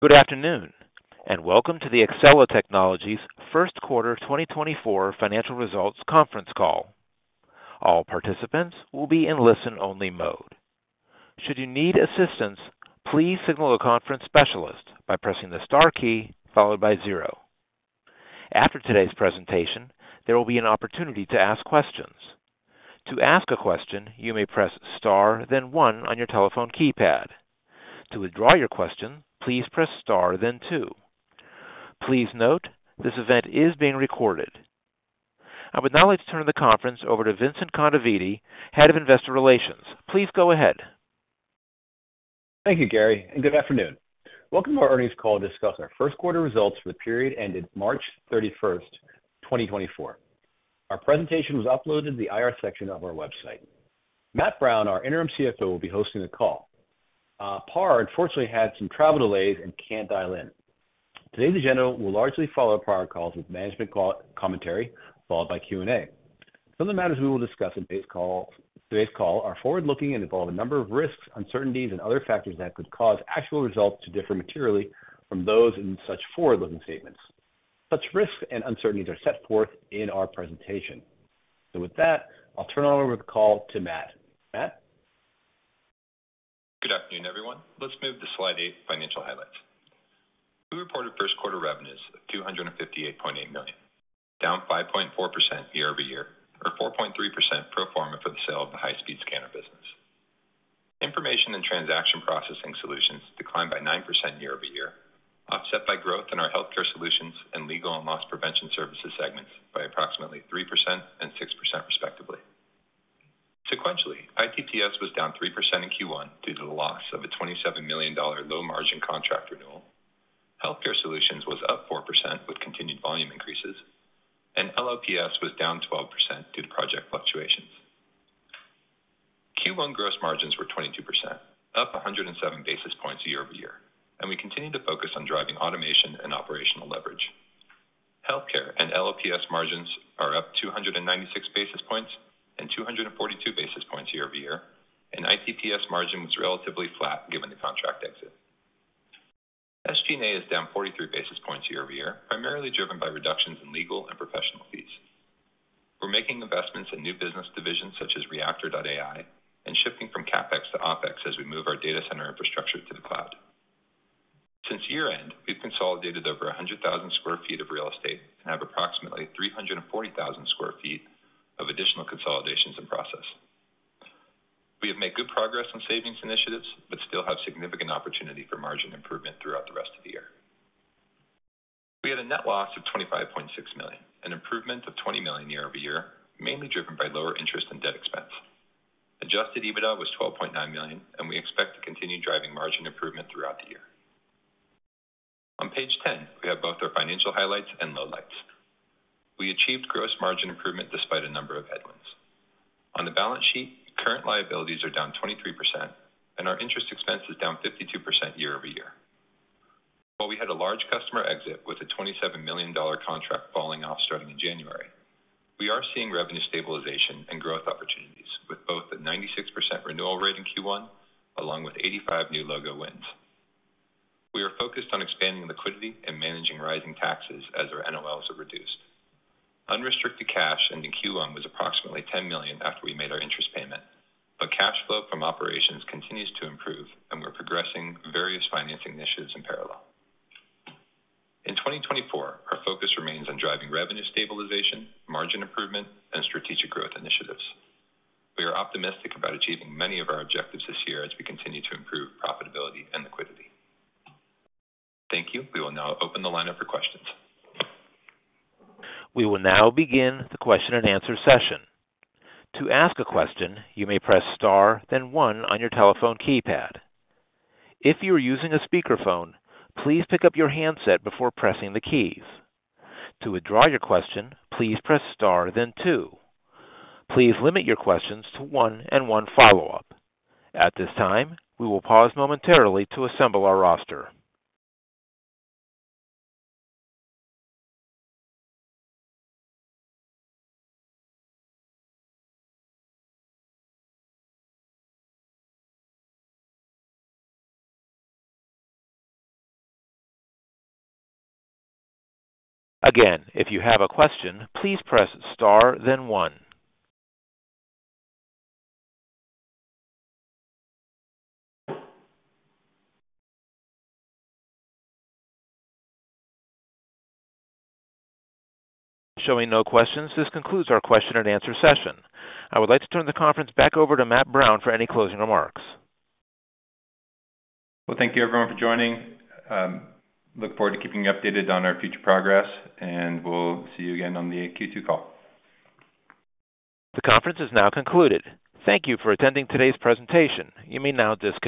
Good afternoon, and welcome to the Exela Technologies first quarter 2024 financial results conference call. All participants will be in listen-only mode. Should you need assistance, please signal a conference specialist by pressing the star key followed by zero. After today's presentation, there will be an opportunity to ask questions. To ask a question, you may press star, then one on your telephone keypad. To withdraw your question, please press star, then two. Please note, this event is being recorded. I would now like to turn the conference over to Vincent Kondaveeti, Head of Investor Relations. Please go ahead. Thank you, Gary, and good afternoon. Welcome to our earnings call to discuss our first quarter results for the period ended March 31, 2024. Our presentation was uploaded to the IR section of our website. Matt Brown, our interim CFO, will be hosting the call. Par unfortunately had some travel delays and can't dial in. Today's agenda will largely follow prior calls with management commentary, followed by Q&A. Some of the matters we will discuss in today's call, today's call are forward-looking and involve a number of risks, uncertainties, and other factors that could cause actual results to differ materially from those in such forward-looking statements. Such risks and uncertainties are set forth in our presentation. So with that, I'll turn over the call to Matt. Matt? Good afternoon, everyone. Let's move to slide 8, Financial Highlights. We reported first quarter revenues of $258.8 million, down 5.4% year-over-year, or 4.3% pro forma for the sale of the high-speed scanner business. Information and transaction processing solutions declined by 9% year-over-year, offset by growth in our healthcare solutions and legal and loss prevention services segments by approximately 3% and 6% respectively. Sequentially, ITPS was down 3% in Q1 due to the loss of a $27 million low-margin contract renewal. Healthcare solutions was up 4% with continued volume increases, and LLPS was down 12% due to project fluctuations. Q1 gross margins were 22%, up 107 basis points year-over-year, and we continue to focus on driving automation and operational leverage. Healthcare and LLPS margins are up 296 basis points and 242 basis points year-over-year, and ITPS margin was relatively flat given the contract exit. SG&A is down 43 basis points year-over-year, primarily driven by reductions in legal and professional fees. We're making investments in new business divisions such as reaktr.ai and shifting from CapEx to OpEx as we move our data center infrastructure to the cloud. Since year-end, we've consolidated over 100,000 sq ft of real estate and have approximately 340,000 sq ft of additional consolidations in process. We have made good progress on savings initiatives, but still have significant opportunity for margin improvement throughout the rest of the year. We had a net loss of $25.6 million, an improvement of $20 million year-over-year, mainly driven by lower interest and debt expense. Adjusted EBITDA was $12.9 million, and we expect to continue driving margin improvement throughout the year. On page 10, we have both our financial highlights and lowlights. We achieved gross margin improvement despite a number of headwinds. On the balance sheet, current liabilities are down 23% and our interest expense is down 52% year-over-year. While we had a large customer exit with a $27 million contract falling off starting in January, we are seeing revenue stabilization and growth opportunities, with both a 96% renewal rate in Q1, along with 85 new logo wins. We are focused on expanding liquidity and managing rising taxes as our NOLs are reduced. Unrestricted cash ending Q1 was approximately $10 million after we made our interest payment, but cash flow from operations continues to improve and we're progressing various financing initiatives in parallel. In 2024, our focus remains on driving revenue stabilization, margin improvement, and strategic growth initiatives. We are optimistic about achieving many of our objectives this year as we continue to improve profitability and liquidity. Thank you. We will now open the line up for questions. We will now begin the question-and-answer session. To ask a question, you may press star, then one on your telephone keypad. If you are using a speakerphone, please pick up your handset before pressing the keys. To withdraw your question, please press star, then two. Please limit your questions to one and one follow-up. At this time, we will pause momentarily to assemble our roster. Again, if you have a question, please press star, then one. Showing no questions, this concludes our question-and-answer session. I would like to turn the conference back over to Matt Brown for any closing remarks. Well, thank you everyone for joining. Look forward to keeping you updated on our future progress, and we'll see you again on the Q2 call. The conference is now concluded. Thank you for attending today's presentation. You may now disconnect.